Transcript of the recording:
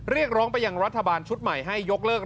เรียกร้องไปยังรัฐบาลชุดใหม่ให้ยกเลิก